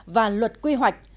và luật quy hoạch